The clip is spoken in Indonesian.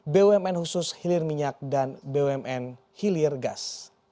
bumn khusus hilir minyak dan bumn hilir gas